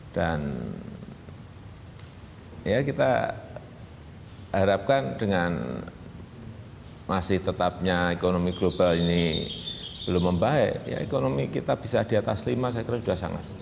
dan kita harapkan dengan masih tetapnya ekonomi global ini belum membaik ekonomi kita bisa di atas lima saya kira sudah sangat